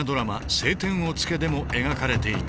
「青天を衝け」でも描かれていた。